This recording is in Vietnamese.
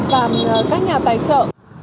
và các nhà tài trợ